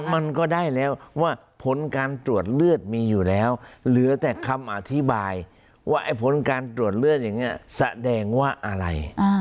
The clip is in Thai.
มันก็ได้แล้วว่าผลการตรวจเลือดมีอยู่แล้วเหลือแต่คำอธิบายว่าไอ้ผลการตรวจเลือดอย่างนี้แสดงว่าอะไร